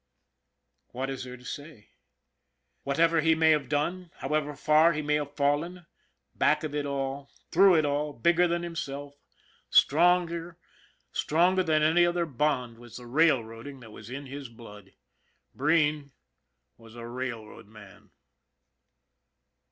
What is there to say ? Whatever he may have done, however far he may have fallen, back of it all, through it all, bigger than himself, stronger than any other "IF A MAN DIE" 65 bond was the railroading that was in his blood. Breen was a railroad man.